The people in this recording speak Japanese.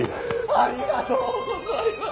ありがとうございます。